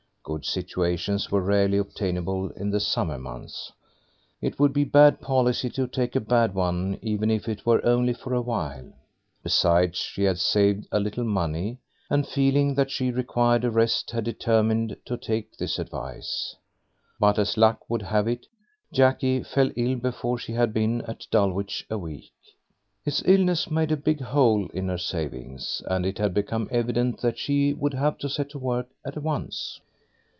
Good situations were rarely obtainable in the summer months; it would be bad policy to take a bad one, even if it were only for a while. Besides, she had saved a little money, and, feeling that she required a rest, had determined to take this advice. But as luck would have it Jackie fell ill before she had been at Dulwich a week. His illness made a big hole in her savings, and it had become evident that she would have to set to work and at once.